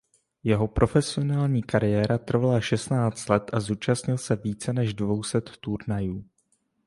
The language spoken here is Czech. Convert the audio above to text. Jeho profesionální kariéra trvala šestnáct let a zúčastnil se více než dvou set turnajů.